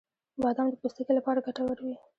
• بادام د پوستکي لپاره ګټور وي.